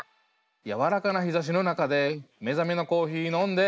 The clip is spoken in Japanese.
「やわらかな日差しの中で目覚めのコーヒーのんで」